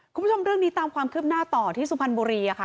คุณผู้ชมเรื่องนี้ตามความคืบหน้าต่อที่สุพรรณบุรีค่ะ